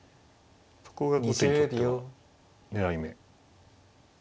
そこが後手にとっては狙い目。